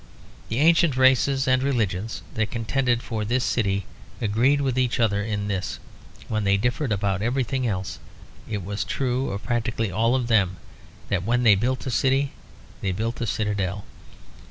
The ancient races and religions that contended for this city agreed with each other in this, when they differed about everything else. It was true of practically all of them that when they built a city they built a citadel.